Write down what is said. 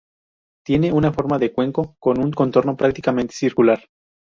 Tiene una forma de cuenco, con un contorno prácticamente circular.